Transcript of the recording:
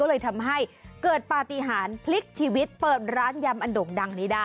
เลยทำให้เกิดปฏิหารพลิกชีวิตเปิดร้านยำอันโด่งดังนี้ได้